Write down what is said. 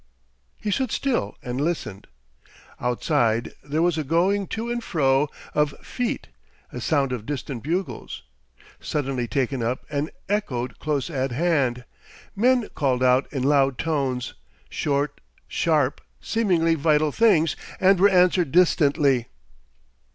He stood still and listened. Outside there was a going to and fro of feet, a sound of distant bugles suddenly taken up and echoed close at hand, men called out in loud tones short, sharp, seemingly vital things, and were answered distantly.